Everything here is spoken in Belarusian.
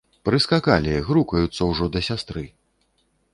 Прыскакалі, грукаюцца ўжо да сястры.